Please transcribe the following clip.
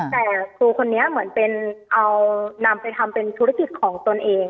แต่ครูคนนี้เหมือนเป็นเอานำไปทำเป็นธุรกิจของตนเอง